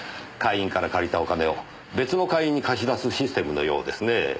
会員から借りたお金を別の会員に貸し出すシステムのようですねえ。